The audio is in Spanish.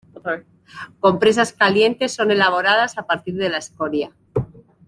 Compresas calientes son elaboradas a partir de la escoria.